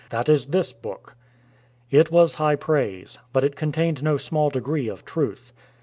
Tliat is this book."' It was high praise, but it contained no small degree of truth.